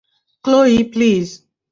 Chloe, please.